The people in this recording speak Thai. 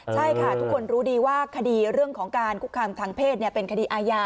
ใช่ค่ะทุกคนรู้ดีว่าคดีเรื่องของการคุกคามทางเพศเป็นคดีอาญา